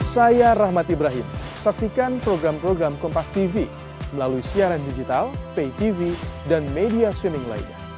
saya rahmat ibrahim saksikan program program kompastv melalui siaran digital paytv dan media streaming lainnya